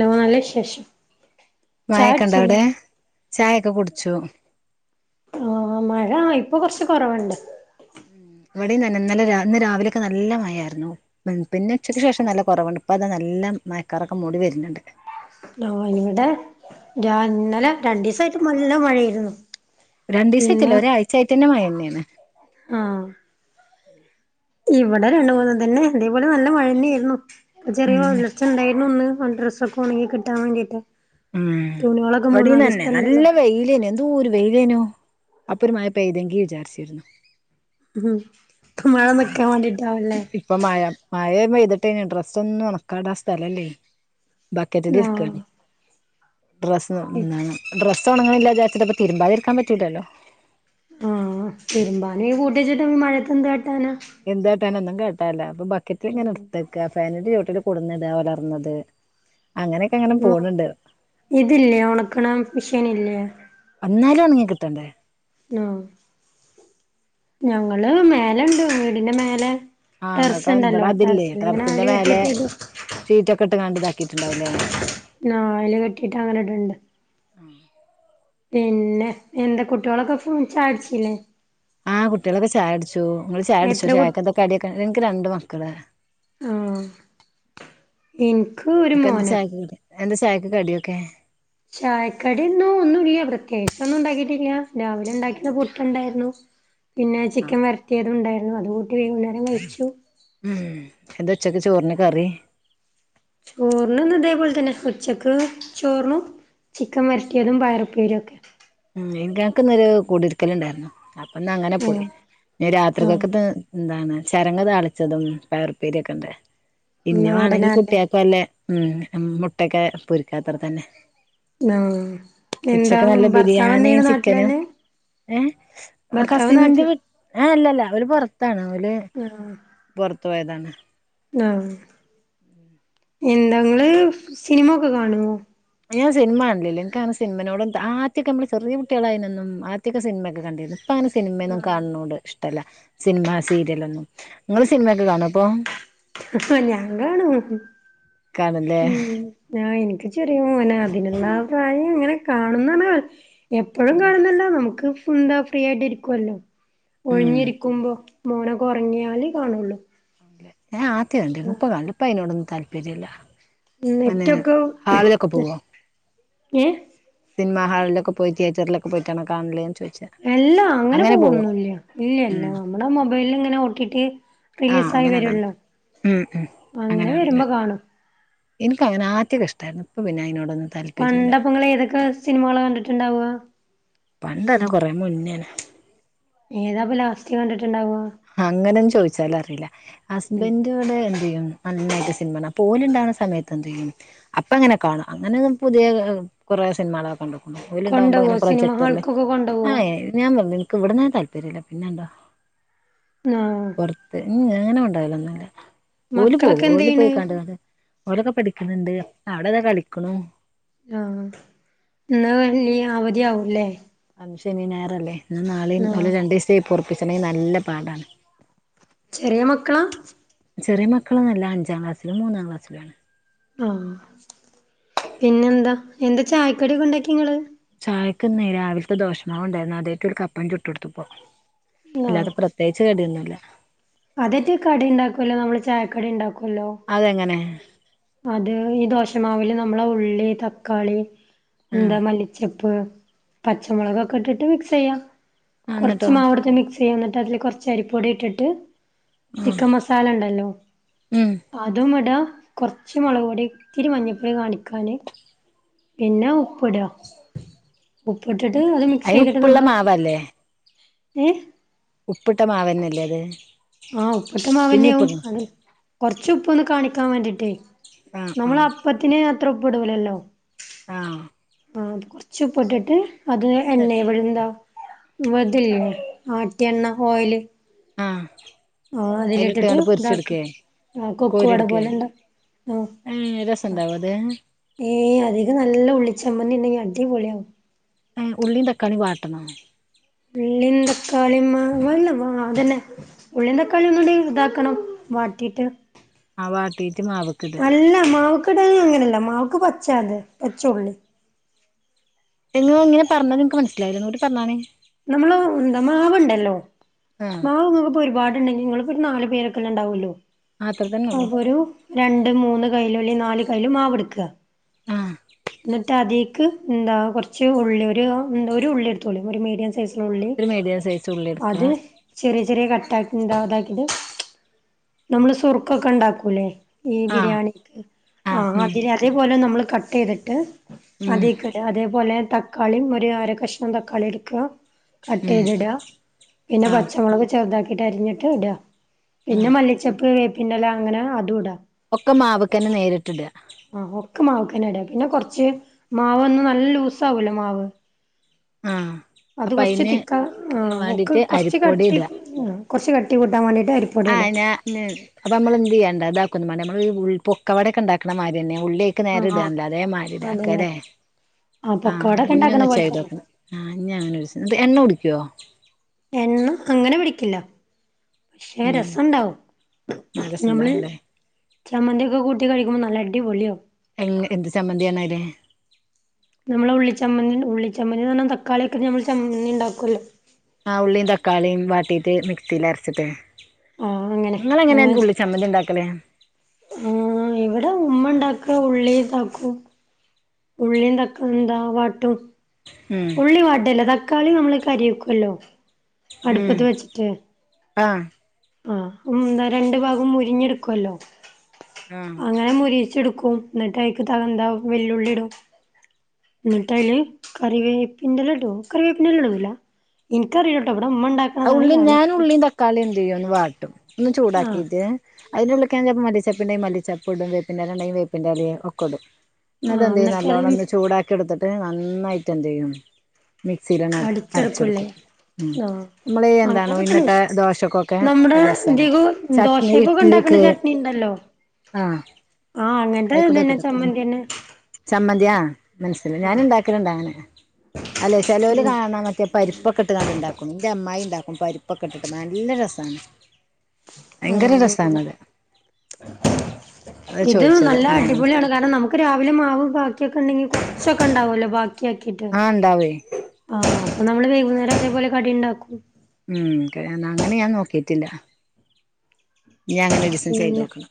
Law നല്ല വിശേഷം ചായ മായൊക്കെ ഇണ്ടോ കുടിച്ചില്ലേ അവിടെ ചായൊക്കെ കുടിച്ചോ ആഹ് മഴ ഇപ്പൊ കൊറച്ച് കൊറവുണ്ട് ഇവിടെന്നന്നെ ഇന്നലെ ഇന്ന് രാവിലെയൊക്കെ നല്ല മഴയായിരുന്നു പിന്നെ ഉച്ചക്ക് ശേഷം നല്ല കുറവുണ്ട് ഇപ്പ അത് നല്ല മയക്കാറൊക്കെ മൂടി വരുന്നുണ്ട് ലൊ ഇവിടെ രാ ഇന്നലെ രണ്ടീസായിട്ട് നല്ല മഴയായിരുന്നു ഇന്ന് രണ്ടീസംയിട്ടല്ല ഒരാഴ്ച ആയിട്ടെന്നേ മഴ തന്നെയാണ് ആഹ് ഇവിടെ രണ്ടു മൂന്നു ഇതന്നെ അതേപോലെ നല്ല മഴെന്നെ ആയിരുന്നു ചെറിയ ഉം വെളിച്ചം ഉണ്ടായിരുന്നു ഒന്ന് ഡ്രസ്സൊക്കെ ഒണങ്ങി കിട്ടാൻ വേണ്ടിട്ട് ഉം തുണികളൊക്കെ ഇവടേം മൂന്നാല് തന്നെ ദിവസത്തെ നല്ല ഉണ്ടല്ലോ വെയിലെനു എന്തോരു വെയിലേനു അപ്പോര് മഴ പെയ്തെങ്കി വിചാരിച്ചിരുന്നു മ്മ് ഇപ്പൊ മഴെ നിക്കാൻ വേണ്ടിട്ടാവല്ലേ ഇപ്പൊ മഴ മഴേ പെയ്തിട്ട ഡ്രെസ്സൊന്നും ഉണക്കാൻ ഇടാൻ സ്ഥലല്ലേ ആഹ് ബക്കറ്റിലിരിക്കാണ് ഡ്രസ് ഒന്നാണ് ഡ്രെസ്സ് ഒണങ്ങാനില്ലാ വിചാരിച്ചിട്ടു തിരുമ്പാതിരിക്കാൻ പറ്റൂലല്ലോ ആഹ് തിരുമ്പാന് കൂട്ടിവെച്ചിട്ടു ഈ മഴത്തു എന്തു കാട്ടാന എന്ത് കാട്ടാനാ ഒന്നും കാട്ടാനില്ല അപ്പൊ ബക്കറ്റിലിങ്ങനെ എടുത്തേക്ക ഫാനിന്റെ ചോട്ടില് കൊടുന്നിട ഒലർന്നത് അങ്ങനെ പോണണ്ട് ഇതില്ലേ ഒണക്കണ മെഷീനില്ലേ ന്നാലും ഒണങ്ങി ക്കിട്ടേണ്ടേ ആഹ് ഞങ്ങള് മേല ഇണ്ട് വീടിന്റെ മേലെ ആഹ് ഇങ്ങക്ക് ഇവിടെ ടെറസിണ്ടല്ലോ ടെറസിലിങ്ങനെ അയല് കെട്ടിട്ടിടും ഷീറ്റക്കെയിട്ടിങാണ്ട് ഇതാക്കിറ്റിണ്ടാവൂ ല്ലേ ആഹ് അയല് കെട്ടിയിട്ട് അങ്ങനെയിട്ണ്ട് പിന്നെ എന്താ കുട്ടികളൊക്കെ സ്കൂ ചായുടിച്ചില്ലേ ആഹ് കുട്ട്യാളൊക്കെ ചായുടിച്ചു നിങ്ങൾ ചായുടിച്ചോ എത്ര കു ചായക്കെന്താ കടിയൊക്കെ എനിക്ക് രണ്ട് മക്കള് ആഹ് ഇൻക്ക് ഒരു ഇക്കെന്താ മോനാ ചായക്കൂ എന്താ ചായക്ക് കടിയൊക്കെ ചായക്കടിന്നും ഒന്നുല്ല പ്രത്യേകിച്ചൊന്നും ഉണ്ടാക്കിയിട്ടില്ല രാവിലെ ഉണ്ടാക്കിന്ന പുട്ടുണ്ടായിരുന്നു പിന്നെ ആഹ് ചിക്കൻ വരട്ടിയതും ഉണ്ടായിരുന്നു അത് കുടി വൈകുന്നേരം കയിച്ചു ഉം എന്താ ഉച്ചക്ക് ചോറിന് കറി ചോറിന്ന് ഇന്നിതേപോലെത്തന്നെ ഉച്ചക്ക് ചോറും ചിക്കൻ വരട്ടിയതും പയറുപ്പേരിം ഒക്കെ ഉം ഇങ്കാക്ക് ഇന്നൊരു കുടിര്ക്കലുണ്ടായിരുന്നു അപ്പൊന്ന്ങ്ങനെ ഉം പോയി നി ആഹ് രാത്രിക്കേക്ക്ത്ത് എന്താണ് ചരങ്ങ താളിച്ചതും പയറുപ്പേരിയൊക്കെണ്ട് പിന്നെ വേണെങ്കി നാടനാല്ലേ കുട്ടിയക്കല്ലേ ഉം [unintelligible] മുട്ടക്കെ പൊരിക്കാത്രതന്നെ ആഹ് എന്താ നല്ല ഭർത്താവ് ബിരിയാണിയും എന്തെയ്യാണ് ചിക്കനും നാട്ടിലന്നെ ഏഹ് ആഹ് ഭർത്താവ് കസിന്റെ നാട്ടിൽ വി ആഹ് അല്ലല്ല ഓര് പുറത്താണ് ഓല് ആഹ് പുറത്ത് പോയതാണ് ആഹ് എന്താ അങ്ങള് സിനിമ ഒക്കെ കാണുവോ ഞാൻ സിനിമാണ്ടില്ല എനിക്കാണേ സിനിമേനോടൊന്നും ആദ്യക്കെ നമ്മള് ചെറിയ കുട്ടികളായിനൊന്നും ആദ്യൊക്കെ സിനിമയൊക്കെ കണ്ടിരു പ്പൊ അങ്ങനെ സിനിമയൊന്നും കാണോണ്ട് ഇഷ്ടല്ല സിനിമ സീരിയലൊന്നും ഇങ്ങള് സിനിമയൊക്കെ കാണുവോപ്പം ആഹഹാ ഞൻ കാണും കാണല്ലേ ഉം ആഹ് എനിക്ക് ചെറിയ മോനാ അതിനൊന്ന പ്രായം ഇങ്ങനെ കാണുന്ന [unintelligible] എപ്പോഴും കാണുന്നല്ല നമുക്ക് ഫുന്താ ഫ്രീ ആയിട്ട് ഇരിക്കുവല്ലോ ഉം ഒഴിഞ്ഞിരിക്കുമ്പോ മോനൊക്കെ ഉറങ്ങിയാലേ കാണുള്ളൂ ഞാ ആത്തെ കണ്ടിരുന്നു ഇപ്പ കണ്ടിപ്പ അതിനോടൊന്നും താല്പര്യല്ല പിന്നെ നെറ്റൊക്കെ ഹാളിലൊക്കെ പോവോ ഏഹ് സിനിമാ ഹാളിലൊക്കെ പോയി തിയേറ്ററിലക്കെ പോയിട്ടാണ് കാണലേന്ന് ചോയിച്ചത് എല്ലാ അങ്ങനെ പോവോന്നുല്ല ഇല്ല ഇല്ല ഉം നമ്മുടെ മൊബൈല് ഇങ്ങനെ നോക്കിട്ട് ആഹ് റിലീസ് ആയി അങ്ങനെ കാണ വരുവല്ലോ ഉം ഉം അങ്ങനെ വരുമ്പോ കാണും എനക്ക് അങ്ങനെ ആദ്യക്കൊ ഇഷ്ടായിരുന്നു ഇപ്പ പിന്നെ അയ്നോടൊന്നും പണ്ടപ്പ ഇങ്ങള് ഏതൊക്കെ സിനിമകളാ കണ്ടിട്ടുണ്ടാവ്വാ പണ്ടല്ല കുറെ മുന്നേണ് ഏതാപ്പ ലാസ്റ്റ് കണ്ടിട്ടുണ്ടാവാ അങ്ങനെന്ന് ചോദിച്ചാലറിയില്ല ഉം ഹസ്ബൻഡോടെ എന്ത്യ്യും നന്നായിട്ട് സിനിമാണ അപ്പോ ഓലുണ്ടാവുന്ന സമയത്ത് എന്തേയ്യും അപ്പൊ എങ്ങനെ കാണ അങ്ങനെ പുതിയ കുറെ സിനിമകളൊകൊണ്ട് ഓലുണ്ടാവുമ്പോ കൊണ്ടോവോ ഇങ്ങനെ സിനിമ പ്രൊജക്ടറില് ഹാൾക്കൊക്കെ കൊണ്ടോവോ ആ എ ഞാൻ പറഞ്ഞു എനക്ക് ഇവിടുന്നേ താല്പര്യല്ല പിന്നെന്താ ആഹ് [unintelligible] അങ്ങനെ ഉണ്ടാവലോന്നുല്ല ഓല് പോകും മക്കളൊക്കെ ഓല് എന്തെയ്യ്ണ് പോയി കണ്ടാണ്ട് ഓലൊക്കെ പഠിക്കുന്നുണ്ട് അവിടെതാ കളിക്കിണു ആഹ് എന്നാ ലീ അവധിയാവൂല്ലേ അന്ന് ശനീം ഞാറുവല്ലേ എന്നാ നാളെം ആഹ് ഓല് രണ്ടു ദിവസായി പൊറപ്പിച്ചണ്ടെങ്കി നല്ല പാണ്ടാണ് ചെറിയ മക്കളാ ചെറിയ മക്കളൊന്നുല്ല അഞ്ചാം ക്ലാസിലും മൂന്നാം ക്ലാസിലു ആണ് ആഹ് പിന്നെന്താ എന്താ ചായക്കടീക്കെ ഇണ്ടാക്കി ഇങ്ങള് ചായക്കിന്ന് രാവിലത്തെ ദോഷമാവ് ഉണ്ടായിരുന്നു അതേൽക്ക് [unintelligible] അപ്പം ചുട്ട് കൊടുത്തുപ്പോ ആഹ് അല്ലാതെ പ്ര കിച്ച് കടിയൊന്നുല്ല അതെറ്റെ കടി ഇണ്ടാക്കുല്ലോ നമ്മള് ചായക്കടി ഇണ്ടാക്കുല്ലോ അതെങ്ങനെ അത് ഈ ദോശമാവിൽ നമ്മളെ ഉള്ളി തക്കാളി എന്താ ആഹ് മല്ലി ച്ചപ്പ് പച്ചമുളകക്കെ ഇട്ടിട്ട് മിക്സെയ്യാ ആഹ് കുറച്ച് എന്നിട്ടോ മാവെടുത്താ മിക് ചെയ്യാ എന്നിട്ട് അതില് കുറച്ച് അരിപ്പൊടി ഇട്ടിട്ട് ആഹ് ചിക്കൻ മസാ- സാലണ്ടല്ലോ ഉം അതും ഇടാ കുറച്ച് മുളക് പൊടി ഇത്തിരി മഞ്ഞപ്പൊടി കാണിക്കാന് പിന്നെ ഉപ്പിടാ ഉപ്പിട്ടിട്ട് അത് മിക്സ് അയിന് ചെയ്തിട്ട് ഉപ്പുള്ള നമ്മള് മാവല്ലേ ഏഹ് ഉപ്പിട്ട മാവന്നല്ലേ അത് ആഹ് ഉപ്പ്‌ട്ടെ പിന്നെ മാങ്ങന്നെവും ഉപ്പ്ടണം അത് കൊർച്ച് ഉപ്പ് ഒന്ന് കാണിക്കാൻ വേണ്ടിട്ടേ ആഹ് നമ്മള് ആഹ് അപ്പത്തിന് അത്ര ഉപ്പ്‌ടുലല്ലോ ആഹ് കൊർച്ച് ഉപ്പ്‌ട്ട്ട്ട് അത് ആഹ് എണ്ണേ ഇവടെ എന്താ വെറ്തേയില്ലേ ആട്ടിയ എണ്ണ ഓയില് ആഹ് ആഹ് അതിലിട്ടിട്ട് അയില്ട്ട്ങ്ങാണ്ട് ഇതാക്ക് പൊരിച്ചെട്ക്കെ ആഹ് കൊക്കുവട കോരിട്ക്കെ പോലെ ഇണ്ട ആഹ് ഏഹ് രസണ്ടാവോ അത്? ഏഹ് അതീക്ക് നല്ല ഉള്ളിച്ചമ്മന്തിണ്ടെങ്കി അടിപൊളി ആവും ഏഹ് ഉള്ളീം, തക്കാളീം വാട്ടണോ? ഉള്ളീം, തക്കാളീം മാ വാ അതന്നെ ഉള്ളീം, തക്കാള്ളീം ഒന്നുടിം ഇതാക്കണം വാട്ടീട്ട് ആഹ് വാട്ടീട്ട് മാവ്ക്ക്‌ടാ അല്ല മാവക്ക്‌ടല് അങ്ങനെല്ല മാവ്ക്ക് പച്ച അത് പച്ച ഉള്ളി നിങ്ങള് എങ്ങനെ പറഞ്ഞത് ഇൻക്ക് മനസിലായില്ല ഒന്നൂടെ പർഞ്ഞാണി നമ്മള് ന്താ മാവ്ണ്ടല്ലോ ആ മാവ് ഇങ്ങക്ക്‌ ഒരു പാടുണ്ടെങ്കി ഇങ്ങള് ഒരു നാലു പേരക്കെല്ലേ ഇണ്ടാവുല്ലു അത്ര തന്നെ ഉള്ളു അപ്പൊ ഒരു രണ്ട്, മൂന്ന് കയ്യിലോല്ലെ നാല് കയ്ല് മാവെട്ക്ക ആ ഇന്നട്ട് അതീക്ക് എന്താ കൊർച്ച് ഉള്ളി ഒരു ന്താ ഒരു ഉള്ളി എടുത്തോളി ഒരു മീഡിയം സെ ന്നുള്ളി ഒരു മീഡിയം സൈസ് ഉള്ളി എടുക്കുക അത് ചെറിയ ചെറിയ കട്ടാക്കിണ്ടതാക്കിട്ട് നമ്മള് സുർക്കൊക്കെ ഇണ്ടാക്കൂലെ ഈ ആ ബിരിയാണിക്ക് ആ ആഹ് ഉം അതില് അതേ പോലെ നമ്മള് കട്ടയ്തിട്ട് ഉം അതീക്വല് അതെ പോലെ തക്കാളീം ഒരു അര കഷ്ണം തക്കാളി എട്ക്ക ഉം കട്ടെയ്ത്ടാ പിന്നെ ആ പച്ചമുളക് ചെറുതാക്കിട്ട് അരിഞ്ട്ട് ഇടാ ആ പിന്നെ മല്ലിച്ചെപ്പ് വേപ്പിന്റെല അങ്ങനെ അതു ടാ ഒക്കെ മാവ്ക്കെന്നെ നേരിട്ട്ടാ ആഹ് ഒക്കെ മാവ്ക്കെന്നെ ഇടാ പിന്നെ കൊർച്ച് മാവൊന്ന് നല്ല ലൂസാവല്ലോ മാവ് ആ അത് അപ്പൊ കൊർച്ച് അയിന് തിക്കാ ആഹ് ഒക്കെ വേണ്ടിട്ട് കൊർച്ച് അരിപ്പൊടി കട്ടി ഇടാ മ്മ് കൊർച്ച് കട്ടി കൂട്ടാം വേണ്ടീട്ട് അരിപ്പൊടി ആ ഇടാ ഞാ ന് അപ്പ നമ്മള് എന്ത്യ്യണ്ട ഇതാക്കൊന്നും മാണ്ട നമ്മള് ഉൾ പൊക്കവടക്കെ ഇണ്ടാക്ണ മായ്രിന്നേ ഉള്ളി ക്ക്‌ നേരെ ആഹ് ഇട അതേ മായ്രി അതന്നെ ഇതാക്കലെ ആഹ് പൊക്കവടൊക്കെ ഇഞ് ഇണ്ടാക്കണ ഒന്ന് പോലെ തന്നെ ചെയ്തോക്കണം ആഹ് ഇഞ് അങ്ങനെ രൂസം ഇത് എണ്ണ കുടിക്കൊ? എണ്ണ അങ്ങനെ പിടിക്കില്ല പക്ഷെ ഉം രസണ്ടാവും നല്ല നമ്മള് രസണ്ടാവുംല്ലേ ചമ്മന്തിക്കെ കൂട്ടി കഴിക്കുമ്പോ നല്ലടി പൊളിയാവും എങ്ങ് എന്ത് ചമ്മന്തിയാണവിടെ? നമ്മളെ ഉള്ളിച്ചമ്മന്തി ഉള്ളിച്ചമ്മന്തിന്ന് പർഞ്ഞ തക്കാളിക്കെ നമ്മള് ചമ്മന്തി ഇണ്ടാക്കുല്ലോ ആഹ് ഉള്ളീം, തക്കാളീം, വാട്ടീട്ട് മിക്സില് അര്ച്ച്ട്ട് ആഹ് അങ്ങനെ ഇങ്ങളെങ്ങനെ അങ്ങനെ ഉള്ളിച്ചമ്മന്തി ഇണ്ടാക്കല് ആഹ് ഇവിടെ ഉമ്മ ഇണ്ടാക്ക ഉള്ളിതാക്കും ഉള്ളീം തക്ക ന്താ വാട്ടും ഉം ഉള്ളി വാട്ടല്ല തക്കാളി നമ്മള് കരെക്കുല്ലോ ഉം ആഹ് ആഹ് എന്താ രണ്ട് ഭാഗം മൊരിഞ്ഞെടുക്കുല്ലോ ആഹ് അങ്ങനെ മൊരിചെടു ക്കും ഇന്നട്ട് അയ്ക്ക് ത ന്താ വെല്ലുള്ളി ഇടും ഇന്നട്ടയ്ല് കറിവേപ്പിന്റെല ഇടൊ കറിവേപ്പിന്റെല ഇടൂല ഇൻക്കറീലട്ടോ ഇവടെമ്മണ്ടാ ആഹ് ഉള്ളി ഞാനുള്ളീം, തക്കാള്ളീം എന്ത്യ്യും ഒന്ന് വാട്ടും ഒന്ന് ആഹ് ചൂടാക്കിട്ട് അയിന്റെള്ള്ക്ക് ഞാന് ചെൽപ്പം മല്ലി ചെപ്പ് ഇണ്ടെങ്കി മല്ലി ചെപ്പ്ടും വേപ്പിന്റെലണ്ടെങ്കി വേപ്പിന്റെലിം ഒക്കെടും ആഹ് ഇന്നട്ടെന്തെയ്യും എന്നിട്ട് അത് നല്ലോണൊന്ന് ചൂടാക്കി ഇട്ത്തിട്ട് നന്നായിട്ടെന്തെയ്യും മിക്സിലണ്ട് അട് അടിച്ചെടുക്കൂല്ലേ അട്ച്ചെടുക്കും മ്മ് ആഹ് നമ്മളീ എന്താണ് അങ്ങനൊക്കെ തന്നെ ഉഴ്ന്നിട്ടെ ദോശക്കൊക്കെ നമ്മുടെ നല്ല രസാണ് ചട്നി ഇഡലിക്ക് ണ്ടല്ലോ ആഹ് അങ്ങനത്തെ ആയിക്കോട്ടെ തെന്നെ ആയിക്കോട്ടെ ഉം ചമ്മന്തിയെന്നെ ചമ്മന്തി ആ മനസ്സിലാ ഞാന്ണ്ടാക്കല്ണ്ടങ്ങനെ അല്ലെ ചെലോല് ഉം കാണാന്നൊക്കെ പരിപ്പൊക്കെട്ട്ങ്ങാണ്ട് ഇണ്ടാക്കും ഇന്റെ അമ്മായിണ്ടാക്കും പരിപ്പൊക്കെട്ടിട്ട് നല്ല രസാണ് ഭയങ്കര ആഹ് രസാണത് അതാ ഇത് ചോദിച്ചത് നല്ല ഞാന്. അടിപൊളിയാണ് കാരണം നമുക്ക് രാവിലെ മാവ് ബാക്കിയൊക്കെ ഉണ്ടെങ്കി കൊറച്ചൊക്കണ്ടാവല്ലോ ബാക്കി ആക്കിട്ട്. ആഹ് ഇണ്ടാവേ ആഹ് അപ്പൊ ന്നമ്മള് വൈകുന്നേരം അതേപോലെ കടിണ്ടാക്കും. ഉം ക അങ്ങനെ ഞാൻ നോക്കിയിട്ടില്ല. ഇനി അങ്ങനെ ഒരീസം പിന്ന ചെയ്തോക്കണം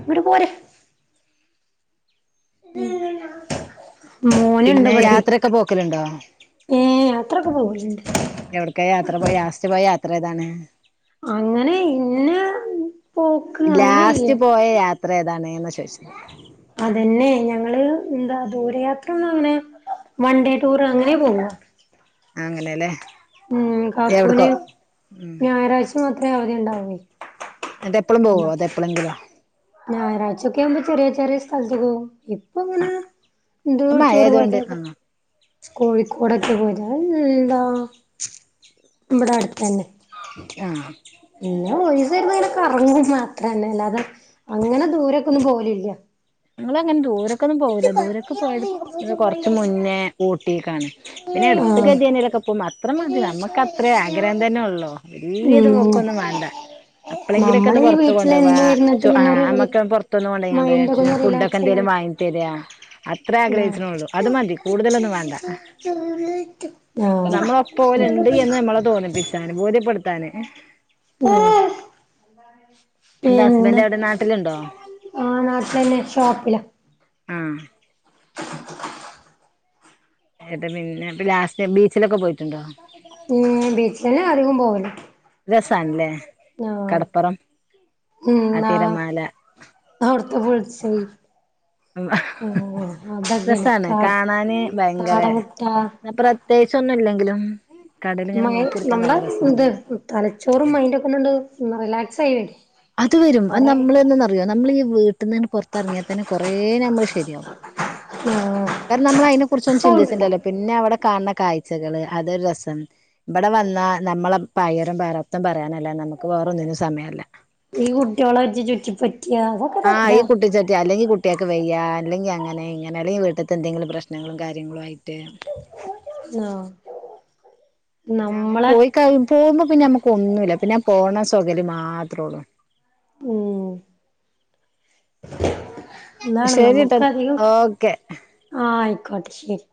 ഇങ്ങട്ട് പോര്. ഉം മോനിണ്ട് പിന്നെ ഇവടേ യാത്രയൊക്കെ പോക്കലുണ്ടോ ഏഹ് അത്രൊക്കെ പോവല്ണ്ട്. എവിട്ക്ക യാത്ര പോയെ ലാസ്റ്റ് പോയ യാത്ര ഏതാണ്? അങ്ങനെ ഇന്ന പോക്ക് അങ്ങനെയില്ല ലാസ്റ്റ് പോയ യാത് ത്രേ ഏതാണ്ന്ന് ചോദിച്ചത് അതന്നെ ഞങ്ങള് എന്താ ദൂരയാത്രയൊന്നും അങ്ങനെ വൺ ഡേ ടൂറ് അങ്ങനെ പോവ. അങ്ങനെല്ലേ ഉം എവിടക്കോ കാക്കുന് ഉം ഞായറാഴ്ച മാത്രേ അവധി ഉണ്ടാവേ ന്ന്ട്ട് എപ്പ്ളും പോവോ അതോ എപ്പളെങ്കിലും ഞായറാഴ്ച്ചക്കെ ആവുമ്പോ ചെറിയ ചെറിയ സ്ഥലത്ത് പോവും ഇപ് ഇപ്പ ആ അങ്ങനെ എൻ്റെ മഴയായതുകൊണ്ട് ആ [unintelligible] കോഴിക്കോടൊക്കെ പോയിനെ അയിൻന്താ ഇവിടെ ടെ അടുത്തന്നെ. ആഹ് പിന്നെ ഒരീസ ഇരിന്നിങ്ങനെ കറങ്ങും മാത്രന്നെ അല്ലാതെ അങ്ങനെ ദൂരേക്കൊന്നും പോകലില്ല. ഞങ്ങളങ്ങനെ ദൂരൊക്കൊന്നും പോവൂല ദൂരക്ക് പോയത്‌ കൊർച്ച് മുന്നേ ഊട്ടിക്കാണ്. പിന്നെ ആഹ് എട്‌ത്ത്ക്കെദിയെനെലൊക്കെ പോവും അത്രമതി ന്നമ്മക്ക് അത്രേ ആഗ്രഹം തന്നെള്ളു. വല്ല്യൊരു ഉം പോക്കൊന്നും വാണ്ട. അപ്പളെങ്കിലൊക്കെ ഒന്ന് നമ്മള് ഈ പുറത്ത് കൊണ്ടുവാ വീട്ടിലെന്നും ഇരുന്നിട്ട് ചു ആ പിന്നെ ഒരു റി അമ്മക്ക് പൊർത്തൊന്ന് കൊൺണ്ടെങ്കാണ്ട്. മൈൻഡൊക്കെ ഒന്ന് ഫുഡൊക്കെ റിലാക്സ് ചെയ്യാൻ എന്തേലും വാങ്ങി തെരാ. അത്രെ ആഹ് ആഗ്രയിച്ച്ണുള്ളൂ അത് മതി കൂടുതലൊന്നും വാണ്ട ആഹ് നമ്മളോക് പോല്ണ്ട്ന്ന് എന്ന് ന്നമ്മളെ തോന്നിപ്പിച്ചാന് ബോധ്യപ്പെടുത്താന്. ഉം എന്താ പിന്നെ ഹസ്ബൻഡ് എവിടെ നാട്ടിലുണ്ടോ ആ നാട്ടിലന്നെ ഷോപ്പില് ആഹ് എട പിന്നെ ലാസ്റ്റ് ബീച്ചിലൊക്കെ പോയിട്ടുണ്ടോ ഉം ബീച്ചിലന്നെ അധികം പോവല്. രസാൺലെ ആഹ് കടപ്പുറം ആ തിരമാല അവിട്ത്തെ ബുൾസൈ അതൊക്കെയാണ് രസാണ് കാട് കാണാന് ഭയങ്കെര കാട മുട്ട ന്ന പ്ര ത്രേകിച്ചൊന്നും ഇല്ലെങ്കിലും. കടലിങ്ങനെ മയി നോക്കിയിരിക്കാൻ നമ്മടെ നല്ല രസാണ് ഇത് ‌തലച്ചോറും മൈൻഡോക്കെന്നണ്ട് റിലാക്സ് [unintelligible] അത് വെരും അത് കൊറേ നമ്മൾന്തന്നറിയോ നമ്മളീ വീട്ടിന്ന്ണ് പൊർത്തിറങ്ങിയാ തന്നെ കൊറെ നമ്മള് ശെരിയാവും. ആഹ് കരണം നമ്മള് അയിനെ കുറിച്ചൊന്നും സൗണ്ട്ണ്ട ചിന്തിച്ചില്ല പിന്നെ അവിടെ കാണണ കാഴ്ച്ചകള് അതൊരു രസാണ്. മ്പ്ടെ വന്നാ നമ്മള പയ്യെരം പാരാപ്തം പറയാനല്ലാതെ നമക്ക് വേറോന്നിനും സമയല്ല. ഈ കുട്ട്യോളെ ഇജ്ജ് ചുറ്റി പറ്റിയാവും ആ ഈ കുട്ടിച്ചട്ടി അല്ലെങ്കി കുട്ട് കുട്ട്യാക്ക് വെയ്യ അല്ലെങ്കി അങ്ങനെ ഇങ്ങനെ അല്ലെങ്കി വീട്ട്ത്തെ എന്തെങ്കിലും പ്രശ്നങ്ങളും കാര്യങ്ങളുയിട്ട്. ആഹ് പിന്നങ്ങനെ നമ്മളെ പോയി കയ്യ് പോമ്പോ പിന്നെ ന്നമ്മുക്കൊന്നുല്ല പിന്നെ പോണ സൊഗല് മാത്രോള്ളൂ. ഉം ന്നാണ് ശരിട്ടോ നമുക്ക് അധികം ഓക്കെ ആഹ് അയ്ക്കോട്ടെ ശെരി.